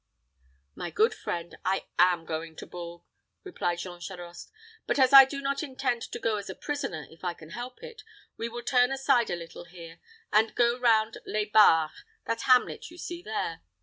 "My good friend, I am going to Bourges," replied Jean Charost; "but as I do not intend to go as a prisoner, if I can help it, we will turn aside a little here, and go round Les Barres, that hamlet you see there.